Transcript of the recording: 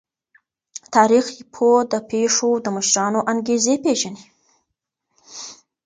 تاریخ پوه د پیښو د مشرانو انګیزې پیژني.